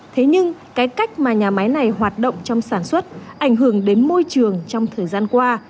thế nhưng cái cách mà nhà máy này hoạt động trong sản xuất ảnh hưởng đến môi trường trong thời gian qua